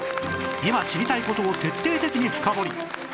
今知りたい事を徹底的に深掘り！